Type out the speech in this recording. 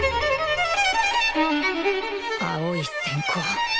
「青い閃光」。